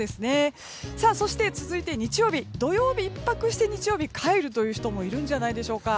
そして続いて日曜日土曜日１泊して、日曜日に帰るという人もいるんじゃないでしょうか。